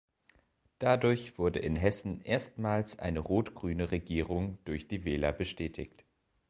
Dadurch wurde in Hessen erstmals eine rot-grüne Regierung durch die Wähler bestätigt.